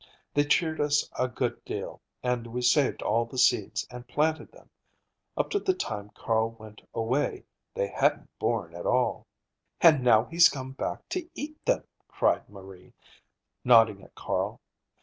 They cheered us a good deal, and we saved all the seeds and planted them. Up to the time Carl went away, they hadn't borne at all." "And now he's come back to eat them," cried Marie, nodding at Carl.